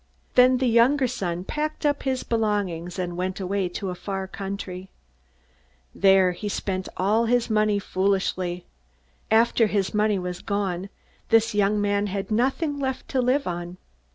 "Then the younger son packed up his belongings, and went away to a far country. There he spent all his money foolishly. After his money was gone, this young man had nothing left to live on.